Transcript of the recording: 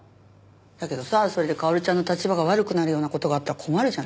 だけどさそれで薫ちゃんの立場が悪くなるような事があったら困るじゃん。